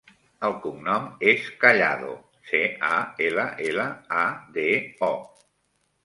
El cognom és Callado: ce, a, ela, ela, a, de, o.